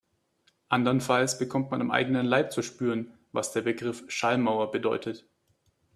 Andernfalls bekommt man am eigenen Leib zu spüren, was der Begriff Schallmauer bedeutet.